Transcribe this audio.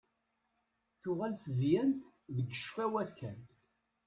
Tuɣal tedyant deg ccfawat kan.